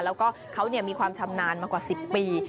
แล้วก็เขามีความชำนาญมากว่า๑๐ปี